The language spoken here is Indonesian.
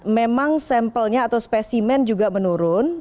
memang sampelnya atau spesimen juga menurun